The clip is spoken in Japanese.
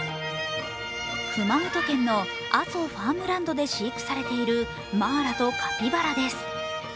熊本県の阿蘇ファームランドで飼育されているマーラとカピバラです。